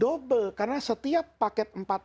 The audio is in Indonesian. double karena setiap paket